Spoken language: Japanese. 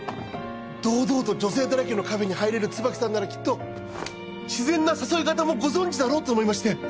堂々と女性だらけのカフェに入れる椿さんならきっと自然な誘い方もご存じだろうと思いまして。